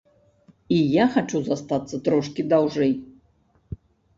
І я хачу застацца трошкі даўжэй.